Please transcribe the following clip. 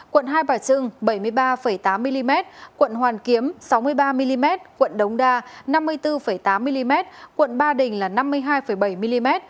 quận hai bà trưng bảy mươi ba tám mm quận hoàn kiếm sáu mươi ba mm quận đống đa năm mươi bốn tám mm quận ba đình là năm mươi hai bảy mm